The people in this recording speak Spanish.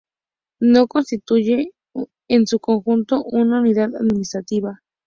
No constituye, en su conjunto, una unidad administrativa.